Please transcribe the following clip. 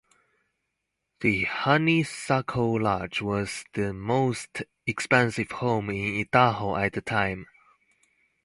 The "Honeysuckle Lodge" was the most expensive home in Idaho at the time.